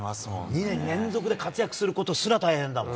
２年連続で活躍することすら、大変だもん。